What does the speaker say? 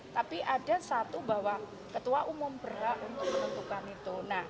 tapi ada satu bahwa ketua umum berhak untuk menentukan itu